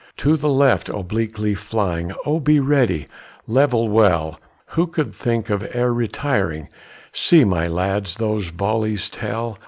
To the left obliquely flying, Oh! be ready, level well, Who could think of e'er retiring, See, my lads, those volleys tell.